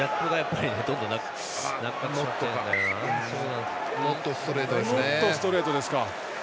ノットストレートですか。